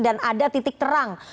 dan ada titik terang